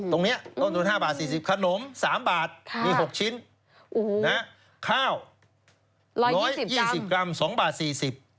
ตรงเนี้ยต้นทุน๕บาท๔๐ขนม๓บาทมี๖ชิ้นข้าว๑๒๐กรัม๒บาท๔๐